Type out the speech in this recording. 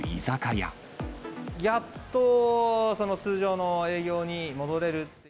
やっと通常の営業に戻れる。